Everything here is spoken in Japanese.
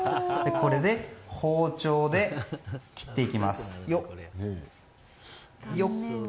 これで包丁で切っていきます。